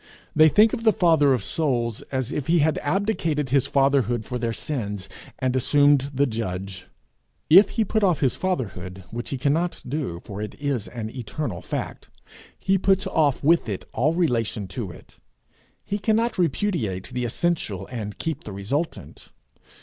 They think of the father of souls as if he had abdicated his fatherhood for their sins, and assumed the judge. If he put off his fatherhood, which he cannot do, for it is an eternal fact, he puts off with it all relation to us. He cannot repudiate the essential and keep the resultant.